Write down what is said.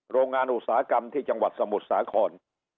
โรงงานอุตสาหกรรมที่จังหวัดสมุทรสาคร